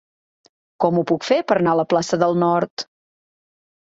Com ho puc fer per anar a la plaça del Nord?